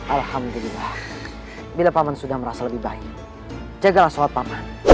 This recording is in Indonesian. alhamdulillah bila paman sudah merasa lebih baik jagalah sholat paman